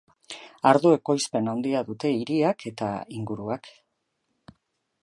Ardo ekoizpen handia dute hiriak eta inguruak.